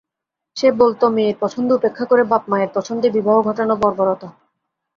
সে বলত, মেয়ের পছন্দ উপেক্ষা করে বাপমায়ের পছন্দে বিবাহ ঘটানো বর্বরতা।